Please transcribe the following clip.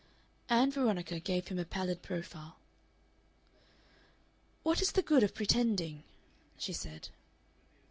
Ann Veronica gave him a pallid profile. "What is the good of pretending?" she said.